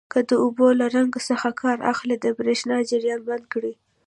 که د اوبو له رنګ څخه کار اخلئ د بریښنا جریان بند کړئ.